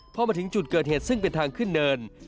พอมาถึงจุดเกิดเหตุซึ่งเป็นทางขึ้นเนิน